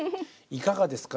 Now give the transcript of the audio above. いかがですか？